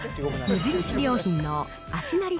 無印良品の足なり